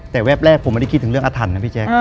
แต่แวบแรกผมไม่ได้คิดถึงเรื่องอาถรรพ์นะพี่แจ๊ค